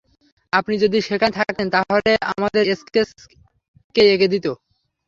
আপনি যদি সেখানে থাকতেন তাহলে আমাদের স্কেচ কে এঁকে দিতো।